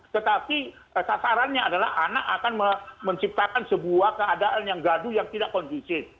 tetapi sasarannya adalah anak akan menciptakan sebuah keadaan yang gaduh yang tidak kondusif